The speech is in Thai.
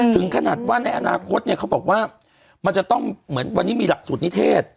ถึงขนาดว่าในอนาคตเนี่ยเขาบอกว่ามันจะต้องเหมือนวันนี้มีหลักสูตรนิเทศ